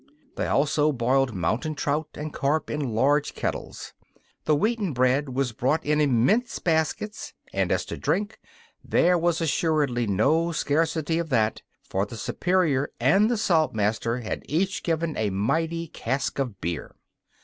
They also boiled mountain trout and carp in large kettles. The wheaten bread was brought in immense baskets, and as to drink, there was assuredly no scarcity of that, for the Superior and the Saltmaster had each given a mighty cask of beer.